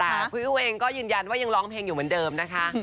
ฟิลเองก็ยืนยันว่ายังร้องเพลงอยู่เหมือนเดิมนะคะ